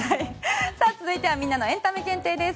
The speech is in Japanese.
続いてみんなのエンタメ検定です。